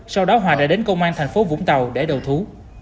sau đó hòa đã đến công an thành phố vũng tàu để đầu thú